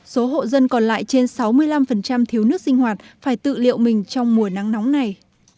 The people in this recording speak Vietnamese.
số hộ dân còn lại trên sáu mươi năm thiếu nước sinh hoạt phải tự liệu mình trong mùa nắng nóng này